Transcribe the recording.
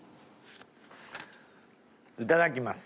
いただきます。